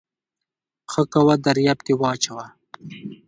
ښه کوه دریاب کې واچوه